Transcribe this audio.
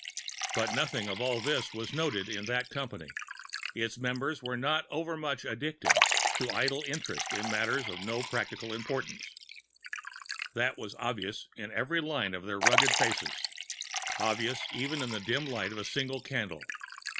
But nothing of all this was noted in that company; its members were not overmuch addicted to idle interest in matters of no practical importance; that was obvious in every line of their rugged faces obvious even in the dim light of the single candle.